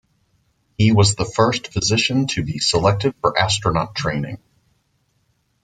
He was the first physician to be selected for astronaut training.